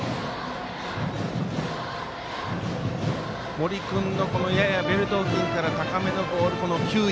森君の、ややベルト付近から高めのボールの球威。